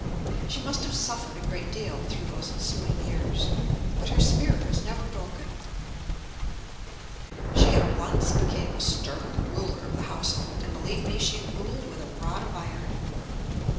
She must have suffered a great deal through those ensuing years, but her spirit was never broken. She at once became a stern ruler of the house hold, and believe me she ruled with a rod of iron.